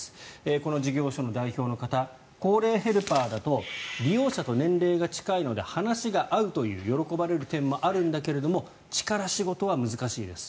この事業所の代表の方高齢ヘルパーだと利用者と年齢が近いので話が合うという喜ばれる点もあるんだけれども力仕事は難しいです。